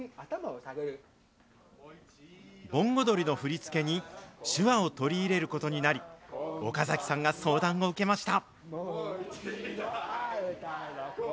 盆踊りの振り付けに、手話を取り入れることになり、岡崎さんが相談を受けました。